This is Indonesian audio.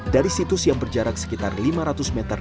dari situs yang berjarak sekitar lima ratus meter